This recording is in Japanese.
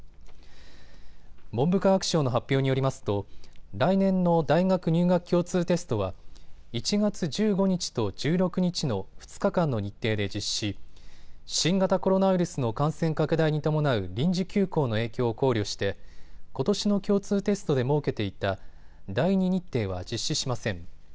文部科学省の発表によりますと来年の大学入学共通テストは１月１５日と１６日の２日間の日程で実施し新型コロナウイルスの感染拡大に伴う臨時休校の影響を考慮してことしの共通テストで設けていた第２日程は実施しません。